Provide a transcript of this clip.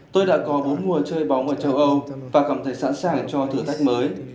tôi đã có bốn mùa chơi bóng ở châu âu và cảm thấy sẵn sàng cho thử thách mới